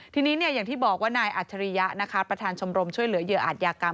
ทีนี้อย่างที่บอกว่านายอัจฉริยะนะคะประธานชมรมช่วยเหลือเหยื่ออาจยากรรม